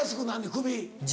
首。